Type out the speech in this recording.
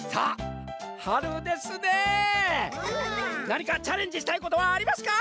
なにかチャレンジしたいことはありますか？